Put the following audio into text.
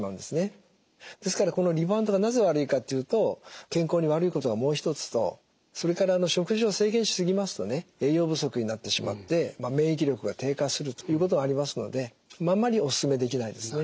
ですからこのリバウンドがなぜ悪いかっていうと健康に悪いことがもう一つとそれから食事を制限し過ぎますとね栄養不足になってしまって免疫力が低下するということがありますのであんまりオススメできないですね。